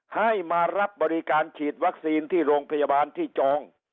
ให้มารับบริการฉีดวัคซีนที่โรงพยาบาลที่จอง